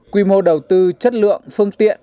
quy mô đầu tư chất lượng phương tiện